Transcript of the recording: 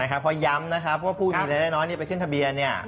นะครับพอย้ำนะครับพวกผู้มีรายได้น้อยไปขึ้นทะเบียน